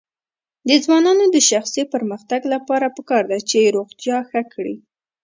د ځوانانو د شخصي پرمختګ لپاره پکار ده چې روغتیا ښه کړي.